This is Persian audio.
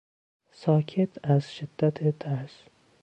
ساکت از شدت ترس